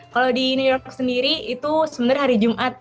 kalau di new york sendiri itu sebenarnya hari jumat